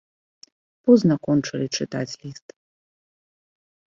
Позна кончылі чытаць ліст.